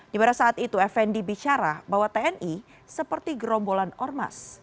di mana saat itu fnd bicara bahwa tni seperti gerombolan ormas